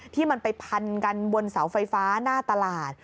ที่มันไปพันกันบนเสาไฟฟ้าหน้าตลาด